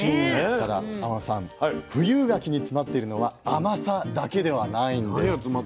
ただ天野さん富有柿に詰まっているのは甘さだけではないんです。